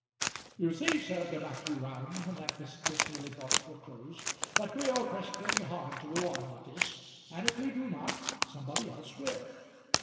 "You see," said Matthew Round, when that visit was nearly brought to a close, "that we are pressed very hard to go on with this, and if we do not, somebody else will."